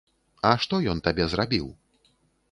А што ён табе зрабіў?